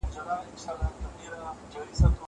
زه له سهاره د لوبو لپاره وخت نيسم!